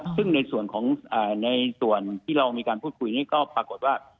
ซึ่งในส่วนที่เรามีการพูดคุยก็ปรากฏว่า